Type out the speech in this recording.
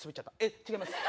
違います。